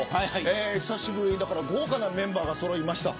久しぶりに豪華なメンバーがそろいました。